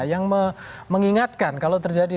yang mengingatkan kalau terjadi